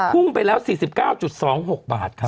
พุ่งไปแล้ว๔๙๒๖บาทครับ